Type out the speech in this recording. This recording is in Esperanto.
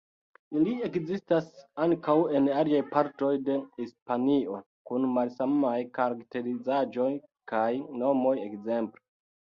Ili ekzistas ankaŭ en aliaj partoj de Hispanio, kun malsamaj karakterizaĵoj kaj nomoj, ekzemple.